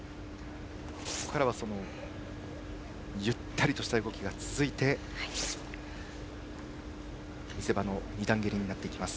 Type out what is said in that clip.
ここからはゆったりとした動きが続いて見せ場の２段蹴りになります。